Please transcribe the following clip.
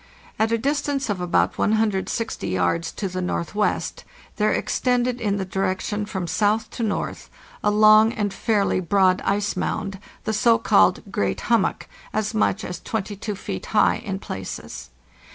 At a distance of about 160 yards to the northwest there extended in the direction from south to north a long and fairly broad ice mound, the so called '""oreat hummock," as much as 22 feet high in places.